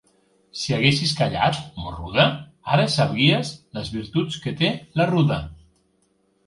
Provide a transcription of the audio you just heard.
Si haguessis callat, morruda, ara sabríem les virtuts que té la ruda.